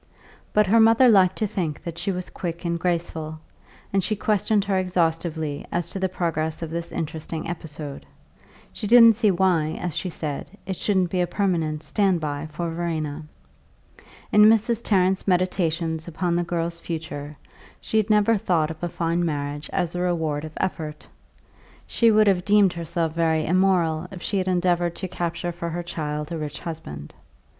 But her mother liked to think that she was quick and graceful, and she questioned her exhaustively as to the progress of this interesting episode; she didn't see why, as she said, it shouldn't be a permanent "stand by" for Verena. In Mrs. Tarrant's meditations upon the girl's future she had never thought of a fine marriage as a reward of effort; she would have deemed herself very immoral if she had endeavoured to capture for her child a rich husband.